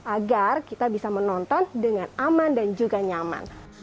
agar kita bisa menonton dengan aman dan juga nyaman